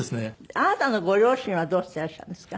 あなたのご両親はどうしてらっしゃるんですか？